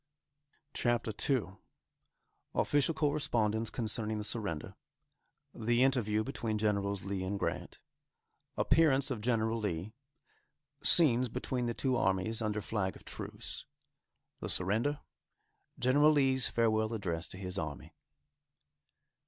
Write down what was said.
CHAPTER II. Official Correspondence Concerning the Surrender The Interview Between Generals Lee and Grant Appearance of General Lee Scenes Between the Two Armies Under Flag of Truce The Surrender General Lee's Farewell Address to His Army.